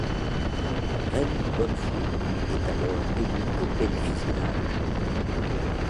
Raymond Bonnefous est alors élu au bénéfice de l'âge.